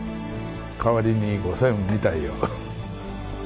かわりに５，０００見たいよ。